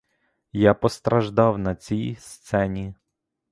Я постраждав на цій сцені.